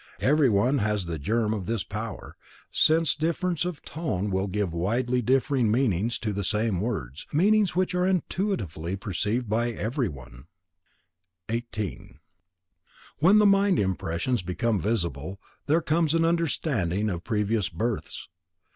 Every one has the germ of this power, since difference of tone will give widely differing meanings to the same words, meanings which are intuitively perceived by everyone. 18. When the mind impressions become visible, there comes an understanding of previous births.